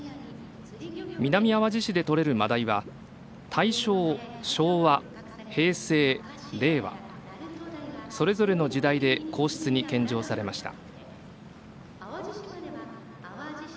南あわじ市でとれるマダイは大正、昭和、平成、令和それぞれの時代で皇室に献上されました。